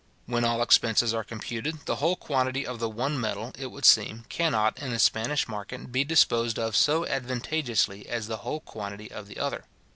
When all expenses are computed, the whole quantity of the one metal, it would seem, cannot, in the Spanish market, be disposed of so advantageously as the whole quantity of the other.